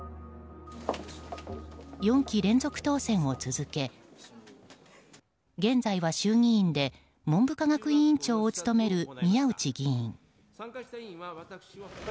４期連続当選を続け現在は衆議院で文部科学委員長を務める宮内議員。